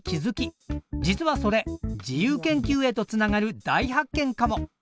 実はそれ自由研究へとつながる大発見かも！